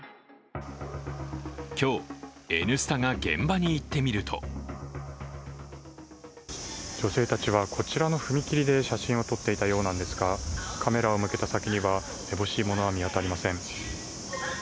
今日「Ｎスタ」が現場に行ってみると女性たちはこちらの踏切で写真を撮っていたようですが、カメラを向けた先にはめぼしいものは見当たりません。